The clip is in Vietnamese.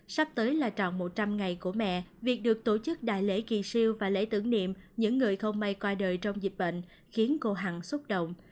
sắp tới là tròn một trăm linh ngày của mẹ việc được tổ chức đại lễ kỳ siêu và lễ tưởng niệm những người không may qua đời trong dịch bệnh khiến cô hằng xúc động